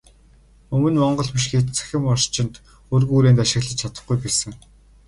Өмнө монгол бичгийг цахим орчинд өргөн хүрээнд ашиглаж чадахгүй байсан.